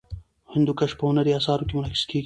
هندوکش په هنري اثارو کې منعکس کېږي.